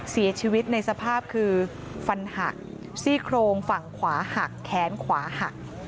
เสียชีวิตในสภาพคือฟันหักซี่โครงฝั่งขวาหักแขนขวาหัก